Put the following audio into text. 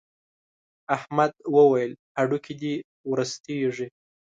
احمد وويل: هډوکي دې ورستېږي.